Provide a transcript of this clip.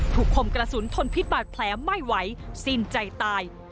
คมกระสุนทนพิษบาดแผลไม่ไหวสิ้นใจตาย